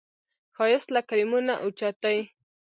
ښایست له کلمو نه اوچت دی